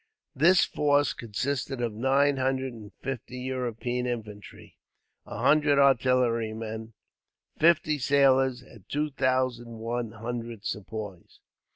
This force consisted of nine hundred and fifty European infantry, a hundred artillerymen, fifty sailors, and two thousand one hundred Sepoys.